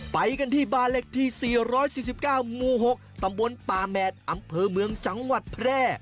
ไปกันที่บ้านเล็กที่๔๔๙หมู่๖ตำบลป่าแมดอำเภอเมืองจังหวัดแพร่